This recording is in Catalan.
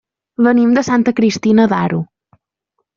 Venim de Santa Cristina d'Aro.